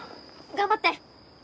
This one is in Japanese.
頑張って！